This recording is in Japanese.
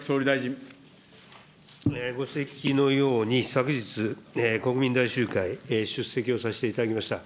ご指摘のように、昨日、国民大集会、出席をさせていただきました。